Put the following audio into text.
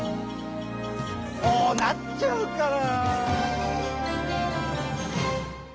こうなっちゃうから！